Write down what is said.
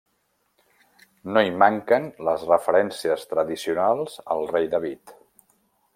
No hi manquen les referències tradicionals al rei David.